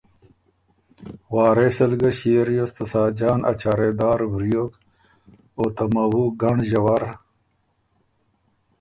وارث ال ګۀ ݭيې ریوز ته ساجان ا چارېدار وریوک او ته موُو ګنړ ݫوَر